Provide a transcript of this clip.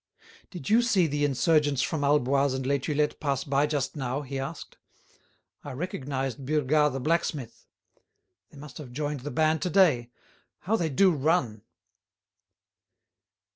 "Did you see the insurgents from Alboise and Les Tulettes pass by just now?" he asked. "I recognised Burgat the blacksmith. They must have joined the band to day. How they do run!"